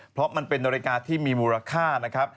เพราะมันเป็นนาฬิกาที่มีมูลค่านะครับ